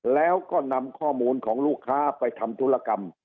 แล้วก็นำข้อมูลของลูกค้าไปทำธุรกรรม